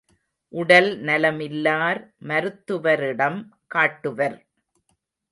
உடல் நலமில்லார் மருத்துவரிடம் காட்டுவர்.